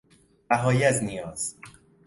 رهایی از نیاز